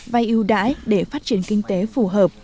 vay ưu đãi để phát triển kinh tế phù hợp